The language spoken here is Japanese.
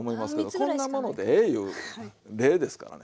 こんなものでええいう例ですからね。